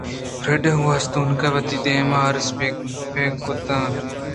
فریڈا ءَگوں آستونک ءَ وتی دیم ءِ ارس پہک کُت اَنت